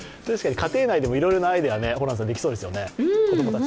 確かに家庭内でもいろいろなアイデアできそうですよね。